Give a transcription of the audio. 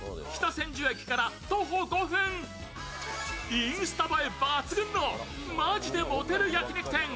インスタ映え抜群のマヂでモテる焼き肉店